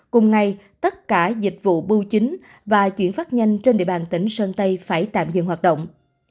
cùng ngày tất cả dịch vụ bưu chính và chuyển phát nhanh trên địa bàn tỉnh sơn tây phải tạm dừng hoạt động